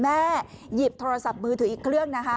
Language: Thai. แม่หยิบโทรศัพท์มือถืออีกเครื่อง